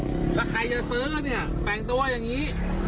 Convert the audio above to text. สุดยอดเลยแล้วใครจะซื้อเนี่ยแต่งตัวอย่างงี้